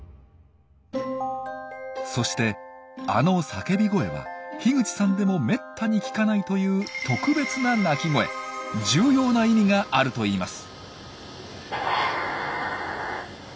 そしてあの叫び声は樋口さんでもめったに聞かないという重要な意味があるといいます。